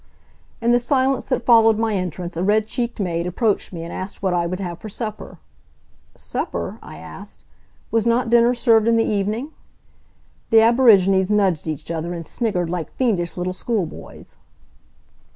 In the silence that followed my entrance a red cheeked maid approached me and asked what I would have for supper. Supper? I asked. Was not dinner served in the evening? The aborigines nudged each other and sniggered like fiendish little school boys.